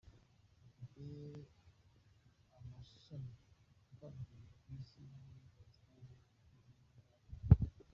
Ifite amashami atandukanye ku isi nko muri Pakisitani, mu Buhinde no muri Afurika.